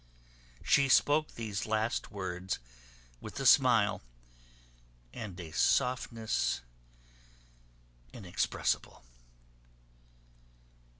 She spoke these last words with a smile, and a softness inexpressible.